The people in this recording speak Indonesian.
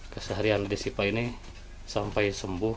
keseharian desi sifah ini sampai sembuh